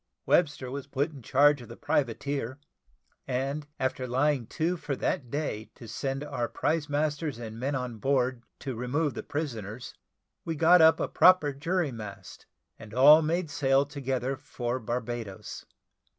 Webster was put in charge of the privateer; and, after lying to for that day to send our prize masters and men on board to remove the prisoners, we got up a proper jury mast, and all made sail together for Barbadoes.